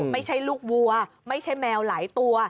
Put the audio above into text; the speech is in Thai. ไม่ใช่ลูกวัวไม่ใช่แมวหลายตัว